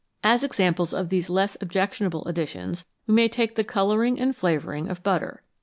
As examples of these less objectionable additions, we may take the colouring and flavouring of butter.